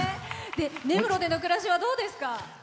根室での暮らしはどうですか？